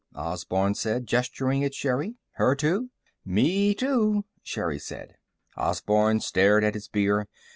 Osborne said, gesturing at Sherri. "Her too?" "Me too," Sherri said. Osborne stared at his beer.